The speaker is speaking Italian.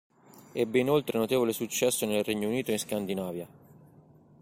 Ebbe inoltre notevole successo nel Regno Unito ed in Scandinavia.